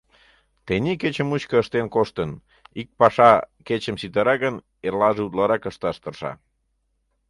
Тений кече мучко ыштен коштын, ик паша кечым ситара гын, эрлаже утларак ышташ тырша.